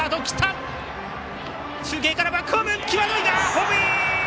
ホームイン！